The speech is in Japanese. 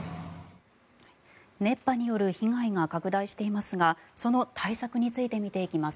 熱波による被害が拡大していますがその対策について見ていきます。